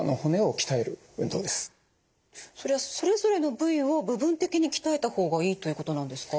それはそれぞれの部位を部分的に鍛えた方がいいということなんですか？